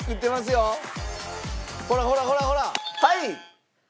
ほらほらほらほらはい！